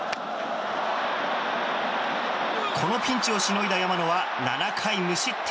このピンチをしのいだ山野は７回無失点。